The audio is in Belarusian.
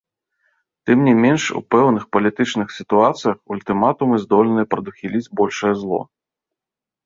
Тым не менш у пэўных палітычных сітуацыях ультыматумы здольныя прадухіліць большае зло.